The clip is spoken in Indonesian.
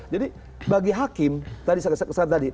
jadi bagi hakim tadi saya kesan kesan tadi